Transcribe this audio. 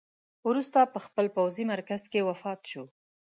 وروسته په خپل پوځي مرکز کې وفات شو.